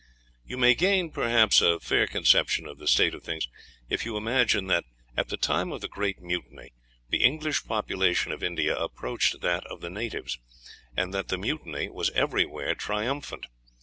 You may gain, perhaps, a fair conception of the state of things if you imagine that at the time of the great mutiny the English population of India approached that of the natives, and that the mutiny was everywhere triumphant.